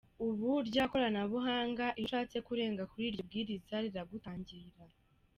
Ubu rya koranabuhanga iyo ushatse kurenga kuri iryo bwiriza, riragutangira.